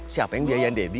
siapa yang biayain debi